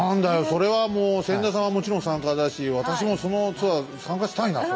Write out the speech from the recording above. それはもう千田さんはもちろん参加だし私もそのツアー参加したいなそれ。